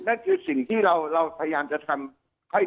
นั่นคือสิ่งที่เราพยายามจะทำให้